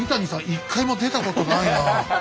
一回も出たことないなあ。